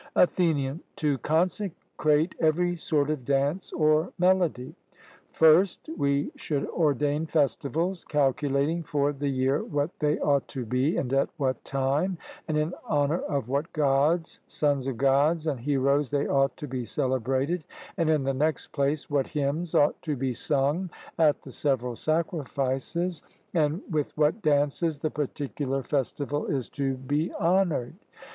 ATHENIAN: To consecrate every sort of dance or melody. First we should ordain festivals calculating for the year what they ought to be, and at what time, and in honour of what Gods, sons of Gods, and heroes they ought to be celebrated; and, in the next place, what hymns ought to be sung at the several sacrifices, and with what dances the particular festival is to be honoured.